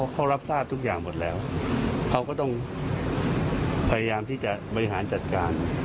เขารับทราบทุกอย่างหมดแล้วเขาก็ต้องพยายามที่จะบริหารจัดการ